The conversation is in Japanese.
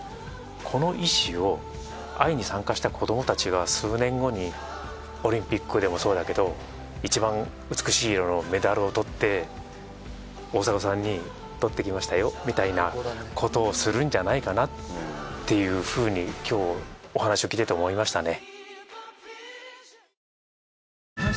この意思をＩに参加した子どもたちが数年後にオリンピックでもそうだけどいちばん美しい色のメダルを獲って大迫さんに獲ってきましたよみたいなことをするんじゃないかなっていうふうに今日お話を聞いてて思いましたね。